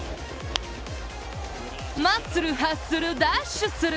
マッスル、ハッスル、ダッシュする！